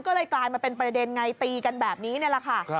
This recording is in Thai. ก็เลยกลายมาเป็นประเด็นไงตีกันแบบนี้นี่แหละค่ะ